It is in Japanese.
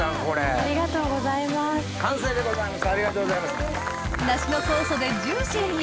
ありがとうございます。